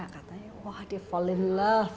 katanya wah dia fall in love